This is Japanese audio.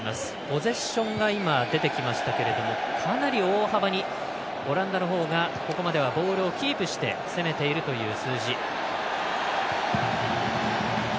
ポゼッションが出てきましたけれどもかなり大幅にオランダのほうがここまではボールをキープして攻めているという数字。